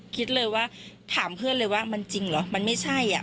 คิดเลยว่าถามเพื่อนเลยว่ามันจริงเหรอมันไม่ใช่อ่ะ